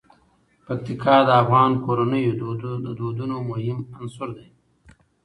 پکتیکا د افغان کورنیو د دودونو مهم عنصر دی.